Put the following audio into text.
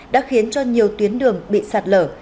đã khiến cho nhiều tuyến đường bị sạt lở